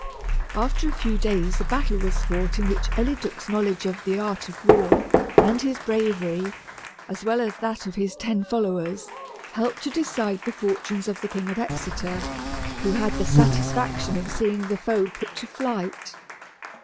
After a few days a battle was fought, in which Eliduc's knowledge of the art of war and his bravery, as well as that of his ten followers, helped to decide the fortunes of the King of Exeter, who had the satisfaction of seeing the foe put to flight.